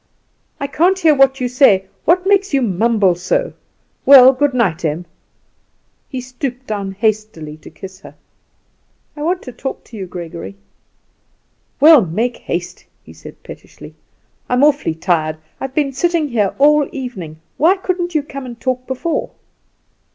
"I can't hear what you say. What makes you mumble so? Well, good night, Em." He stooped down hastily to kiss her. "I want to talk to you, Gregory." "Well, make haste," he said pettishly. "I'm awfully tired. I've been sitting here all the evening. Why couldn't you come and talk before?"